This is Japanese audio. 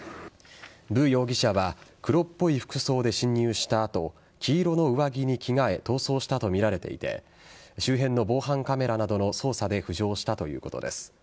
ブ容疑者は黒っぽい服装で侵入した後黄色の上着に着替え逃走したとみられていて周辺の防犯カメラなどの捜査で浮上したということです。